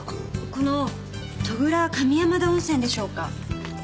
この戸倉上山田温泉でしょうか？